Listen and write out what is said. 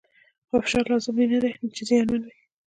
خو فشار لازمي نه دی چې زیانمن وي.